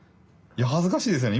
いや恥ずかしいですね。